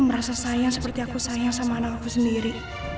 merasa sayang seperti aku sayang sama anakku sendiri